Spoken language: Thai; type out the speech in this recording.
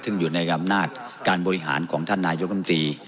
ซึ่งอยู่ในอำนาจการบริหารของท่านนายกรรมตรี